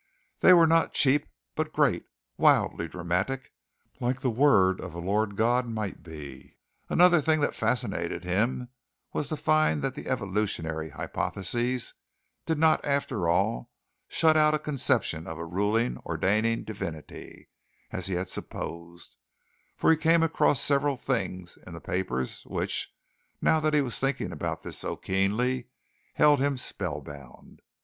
They were not cheap but great wildly dramatic, like the word of a Lord God might be. Another thing that fascinated him was to find that the evolutionary hypothesis did not after all shut out a conception of a ruling, ordaining Divinity, as he had supposed, for he came across several things in the papers which, now that he was thinking about this so keenly, held him spellbound.